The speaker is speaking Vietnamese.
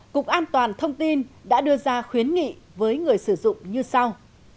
cục an toàn thông tin đã đưa ra khuyến nghị với người sử dụng như sau